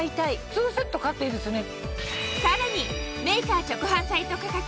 ２セット買っていいですよね。